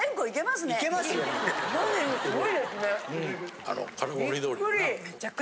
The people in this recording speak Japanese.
すごいですね。